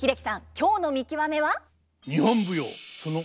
今日の見きわめは？